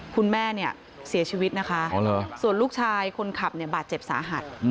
คุณแม่เนี่ยเสียชีวิตนะคะส่วนลูกชายคนขับเนี่ยบาดเจ็บสาหัส